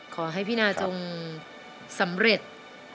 ขอให้พี่นาจงสำเร็จ